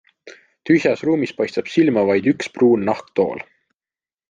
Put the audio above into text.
Tühjas ruumis paistab silma vaid üks pruun nahktool.